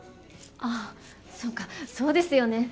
あっそうかそうですよね。